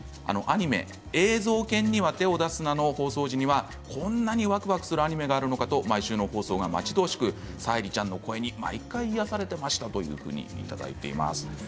アニメ「映像研には手を出すな！」の放送時にはこんなに、わくわくするアニメがあるのかと毎週の放送が待ち遠しくて沙莉ちゃんの声に毎回癒やされていました、ということです。